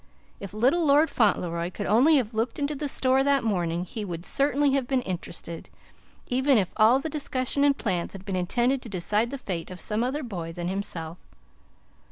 If little Lord Fauntleroy could only have looked into the store that morning, he would certainly have been interested, even if all the discussion and plans had been intended to decide the fate of some other boy than himself.